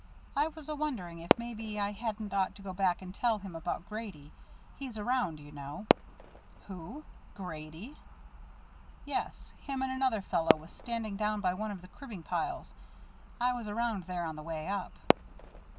I was a wondering if maybe I hadn't ought to go back and tell him about Grady. He's around, you know." "Who? Grady?" "Yes. Him and another fellow was standing down by one of the cribbin' piles. I was around there on the way up."